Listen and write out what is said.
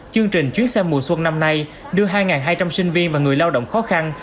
chương trình chuyến xe mùa xuân năm nay đưa hai hai trăm linh sinh viên và người lao động khó khăn